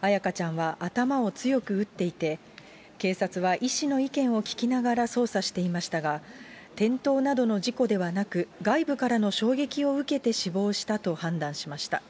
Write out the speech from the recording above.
彩花ちゃんは頭を強く打っていて、警察は医師の意見を聞きながら捜査していましたが、転倒などの事故ではなく、外部からの衝撃を受けて死亡したと判断しました。